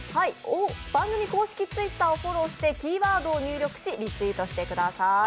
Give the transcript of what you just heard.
番組公式Ｔｗｉｔｔｅｒをフォローしてキーワードを入力し、リツイートしてください。